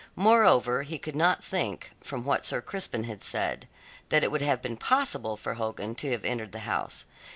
Moreover, he could not think, from what Sir Crispin had said, that it would have been possible for Hogan to have entered the house.